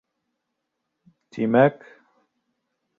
Тймәк...